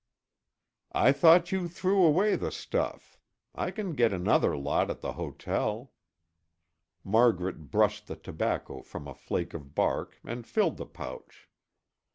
"I thought you threw away the stuff. I can get another lot at the hotel." Margaret brushed the tobacco from a flake of bark, and filled the pouch.